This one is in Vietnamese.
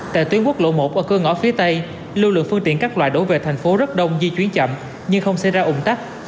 tại tuyến quốc lộ một ở cơ ngõ phía tây lưu lượng phương tiện các loại đổ về thành phố rất đông di chuyển chậm nhưng không xảy ra ủng tắc